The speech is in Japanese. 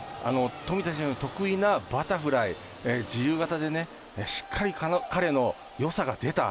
富田選手、得意なバタフライ自由形でしっかり彼のよさが出た。